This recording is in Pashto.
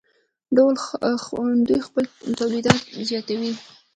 دوی خپل تولیدات زیاتوي.